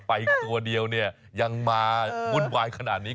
ตัวเดียวเนี่ยยังมาวุ่นวายขนาดนี้